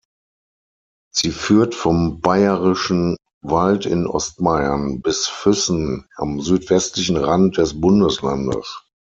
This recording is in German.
Sie führt vom Bayerischen Wald in Ostbayern bis Füssen am südwestlichen Rand des Bundeslandes.